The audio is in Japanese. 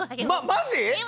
マジ？